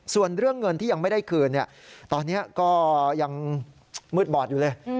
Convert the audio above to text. ส่วนเรื่องเงินที่ยังไม่ได้คืนตอนนี้ก็ยังมืดบอดอยู่เลย